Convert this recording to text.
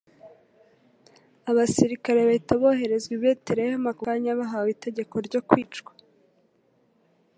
Abasirikare bahita boherezwa i Betelehemu ako kanya, bahawe itegeko ryo kwica